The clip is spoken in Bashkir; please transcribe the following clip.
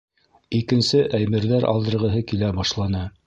Икенсе әйбер-ҙәр алдырғыһы килә башланы.